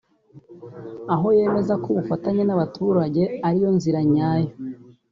aho yemeza ko ubufatanye n’abaturage ariyo nzira nyayo